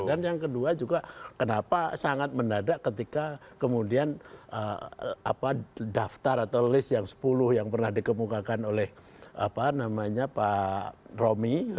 dan yang kedua juga kenapa sangat mendadak ketika kemudian daftar atau list yang sepuluh yang pernah dikemukakan oleh pak romi